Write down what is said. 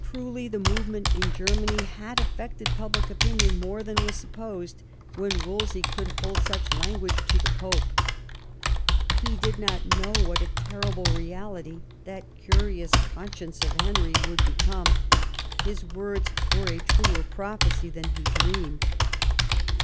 Truly the movement in Germany had aflFected public opinion more than was supposed when Wolsey could hold such language to the Pope. He did not know what a terrible reality that curious conscience of Henry would become. His words were a truer prophecy than he dreamed.